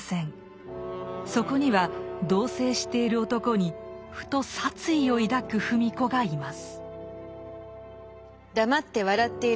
そこには同棲している男にふと殺意を抱く芙美子がいます。